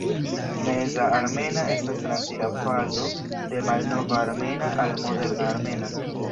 Meza armena estas transira fazo de malnova armena al moderna armena.